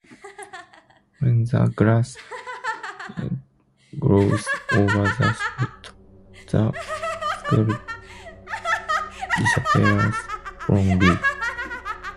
When the grass grows over the spot, the skull disappears from view.